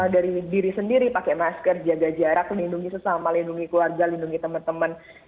dari diri sendiri pakai masker jaga jarak lindungi sesama lindungi keluarga lindungi teman teman